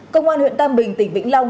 công an huyện tam bình tỉnh vĩnh long